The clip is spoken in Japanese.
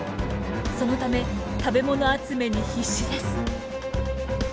そのため食べ物集めに必死です。